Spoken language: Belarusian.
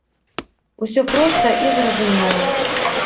Усё проста і зразумела!